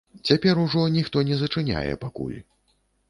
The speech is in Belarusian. Цяпер ужо ніхто не зачыняе пакуль.